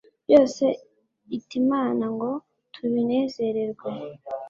byose itimana ngo tubinezererwe